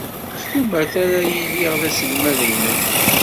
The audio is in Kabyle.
S tumert ara iliɣ d aselmad-nnem.